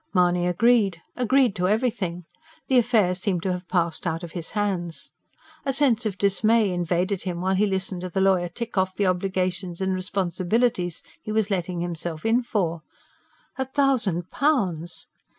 Mahony agreed agreed to everything: the affair seemed to have passed out of his hands. A sense of dismay invaded him while he listened to the lawyer tick off the obligations and responsibilities he was letting himself in for. A thousand pounds!